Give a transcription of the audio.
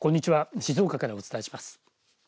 静岡からお伝えします。